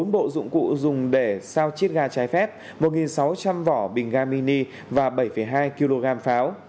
bốn bộ dụng cụ dùng để sao chiết ga trái phép một sáu trăm linh vỏ bình ga mini và bảy hai kg pháo